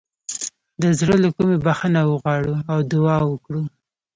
د زړه له کومې بخښنه وغواړو او دعا وکړو.